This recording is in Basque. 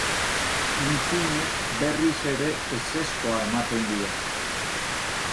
Tintinek berriz ere ezezkoa ematen dio.